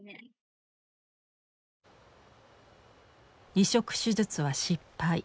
移植手術は失敗。